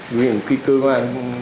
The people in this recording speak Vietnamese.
với những cái cơ quan